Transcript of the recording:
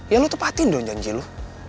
ya lu tepatin dong janji lu